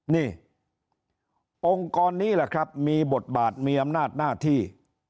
นี่องค์กรนี้แหละครับมีบทบาทมีอำนาจหน้าที่